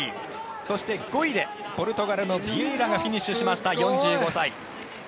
そして、５位でポルトガルのビエイラがフィニッシュしました４５歳。